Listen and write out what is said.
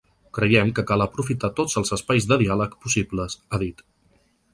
Creiem que cal aprofitar tots els espais de diàleg possibles, ha dit.